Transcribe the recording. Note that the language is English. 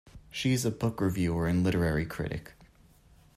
She is a book reviewer and literary critic.